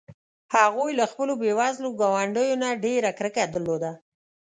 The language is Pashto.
هغوی له خپلو بې وزلو ګاونډیو نه ډېره کرکه درلوده.